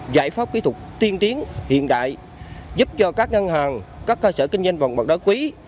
giải pháp kỹ thuật tiên tiến hiện đại giúp cho các ngân hàng các cơ sở kinh doanh vòng bậc đối quý